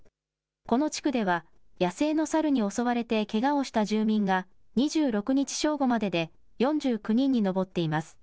この地区では、野生の猿に襲われてけがをした住民が、２６日正午までで、４９人に上っています。